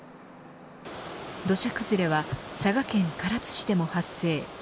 土砂崩れは佐賀県唐津市でも発生。